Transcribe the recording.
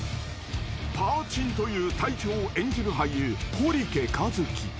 ［パーちんという隊長を演じる俳優堀家一希］